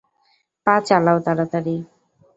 পা চালাও তারাতাড়ি!